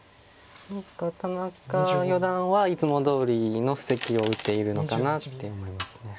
田中四段はいつもどおりの布石を打っているのかなって思います。